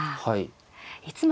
はい。